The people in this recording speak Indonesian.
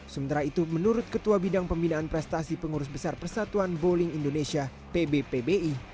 sementara itu menurut ketua bidang pembinaan prestasi pengurus besar persatuan bowling indonesia pbpbi